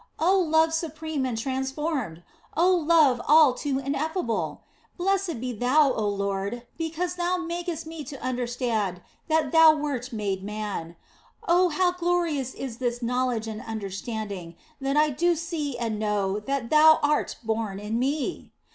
Oh love supreme and transformed ! Oh love all too ineffable ! Blessed be Thou, oh Lord, because Thou makest me to understand that Thou wert made man. Oh how glorious is this knowledge and understanding, that I do see and know that Thou art born in me.